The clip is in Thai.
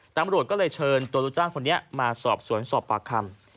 ตำรวจก็เลยเชิญตัวลูกจ้างคนนี้มาสอบสวนสอบปากคำ